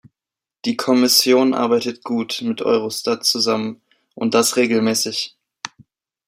Die Kommission arbeitet gut mit Eurostat zusammen, und das regelmäßig.